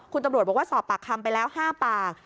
คุณตำรวจบอกว่าสอบปากคำไปแล้ว๕ปาก